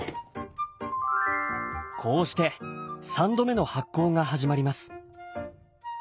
こうして３度目の発酵が始まります。